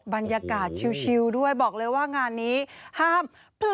บรรยากาศชิวด้วยบอกเลยว่างานนี้ห้าม